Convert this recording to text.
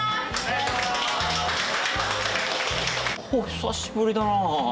久しぶりだな。